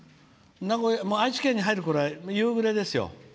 愛知県に入るころは夕暮れです。